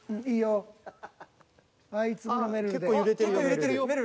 いいよ。